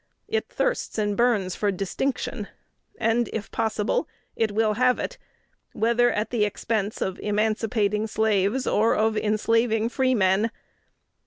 It thirsts and burns for distinction; and, if possible, it will have it, whether at the expense of emancipating slaves or enslaving freemen....